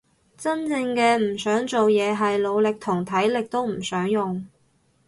真正嘅唔想做嘢係腦力同體力都唔想用